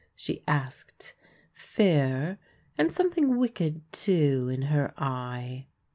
" she asked; fear, and something wicked too, in her eye.